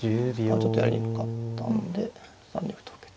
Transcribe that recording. ちょっとやりにくかったんで５二歩と受けた。